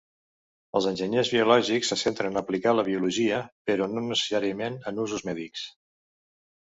Els enginyers biològics se centren a aplicar la biologia, però no necessàriament en usos mèdics.